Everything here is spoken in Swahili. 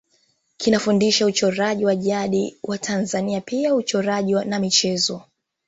Kinafundisha uchoraji wa jadi wa Tanzania pia uchongaji na michezo